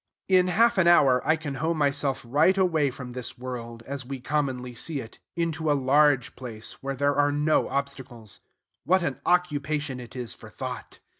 In half an hour I can hoe myself right away from this world, as we commonly see it, into a large place, where there are no obstacles. What an occupation it is for thought!